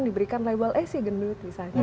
diberikan label eh sih gemut misalnya